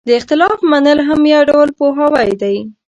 د اختلاف منل هم یو ډول پوهاوی دی.